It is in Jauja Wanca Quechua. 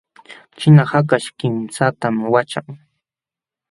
Ćhina hakaśh kimsatam waćhan.